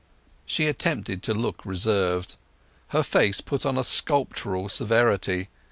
She attempted to look reserved; her face put on a sculptural severity.